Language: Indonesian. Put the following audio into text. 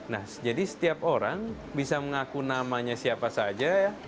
nah jadi setiap orang bisa mengaku namanya siapa saja ya